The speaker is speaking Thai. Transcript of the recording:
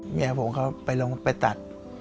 เมียผมเขาไปลงไปตัด